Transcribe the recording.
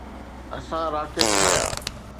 اسان راکٽ ٺاهيا.